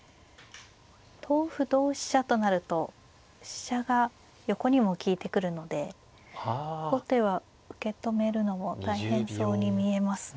同歩同飛車となると飛車が横にも利いてくるので後手は受け止めるのも大変そうに見えますね。